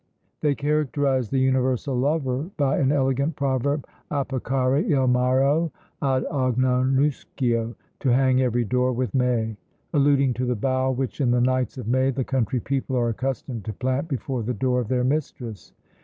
They characterised the universal lover by an elegant proverb Appicare il Maio ad ogn' uscio: "To hang every door with May;" alluding to the bough which in the nights of May the country people are accustomed to plant before the door of their mistress.